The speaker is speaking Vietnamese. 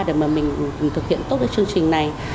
để mà mình thực hiện tốt cái chương trình này